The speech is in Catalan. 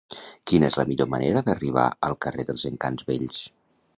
Quina és la millor manera d'arribar al carrer dels Encants Vells?